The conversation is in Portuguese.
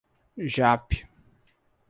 Japi